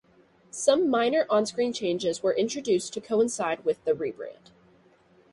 Some minor on-screen changes were introduced to coincide with the rebrand.